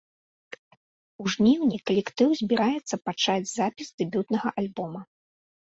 У жніўні калектыў збіраецца пачаць запіс дэбютнага альбома.